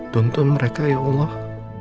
tuntun mereka ya allah